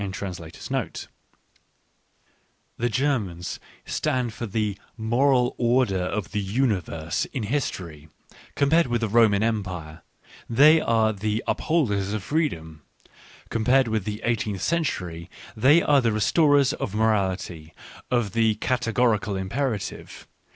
Digitized by Google 124 ECCE HOMO stand for the "moral order of the universe" in history; compared with the Roman Empire, they are the up holders of freedom ; compared with the eighteenth century, they are the restorers of morality, of the " Categorical Imperative."